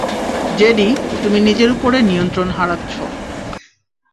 JD, তুমি নিজের উপরে নিয়ন্ত্রণ হারাচ্ছো।